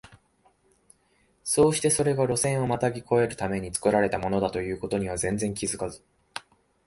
そうしてそれが線路をまたぎ越えるために造られたものだという事には全然気づかず、